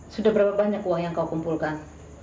sudah berapa banyak uang yang kau kumpulkan